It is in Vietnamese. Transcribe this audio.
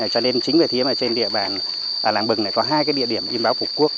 cho nên chính vì thế mà trên địa bàn làng bừng này có hai cái địa điểm in báo phục quốc